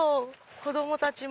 子供たちも。